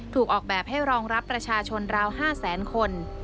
ถูกออกแบบให้รองรับประชาชนราว๕๐๐๐๐๐คน